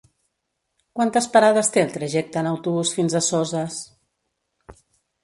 Quantes parades té el trajecte en autobús fins a Soses?